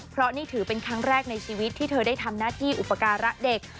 เพราะนี่ถือเป็นครั้งแรกในชีวิตที่เธอได้ทำหน้าที่อุปการะเด็ก